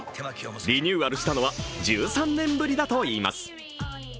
リニューアルしたのは１３年ぶりだといいます。